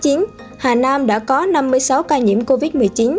hà nam đã có năm mươi sáu ca nhiễm covid một mươi chín